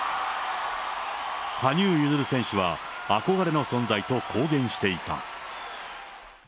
羽生結弦選手は憧れの存在と公言していた。